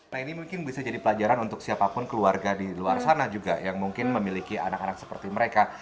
nah ini mungkin bisa jadi pelajaran untuk siapapun keluarga di luar sana juga yang mungkin memiliki anak anak seperti mereka